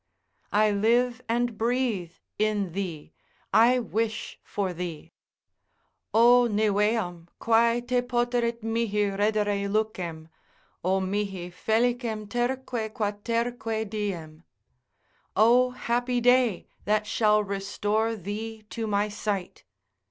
I live and breathe in thee, I wish for thee. O niveam quae te poterit mihi reddere lucem, O mihi felicem terque quaterque diem. O happy day that shall restore thee to my sight.